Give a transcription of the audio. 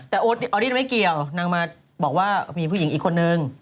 แต่โอ๊ตออดี้ไม่เกี่ยวนางมาบอกว่ามีผู้หญิงอีกคนนึง